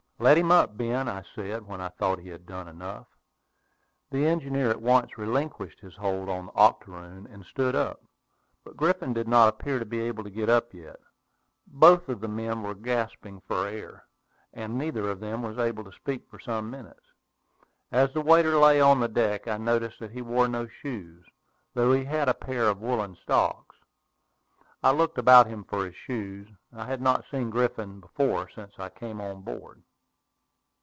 "Let him up, Ben," I said, when I thought he had done enough. The engineer at once relinquished his hold on the octoroon, and stood up. But Griffin did not appear to be able to get up yet. Both of the men were gasping for breath, and neither of them was able to speak for some minutes. As the waiter lay on the deck, I noticed that he wore no shoes, though he had on a pair of woollen socks. I looked about for his shoes. I had not seen Griffin before since I came on board.